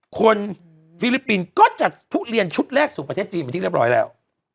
ฟิลิปปินส์ก็จัดทุเรียนชุดแรกสู่ประเทศจีนเป็นที่เรียบร้อยแล้ว